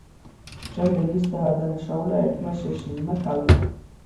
შემდეგ ის დაადანაშაულა ერთმა შეშლილმა ქალმა.